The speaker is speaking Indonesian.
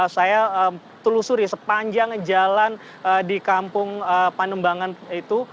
saya telusuri sepanjang jalan di kampung pandembangan itu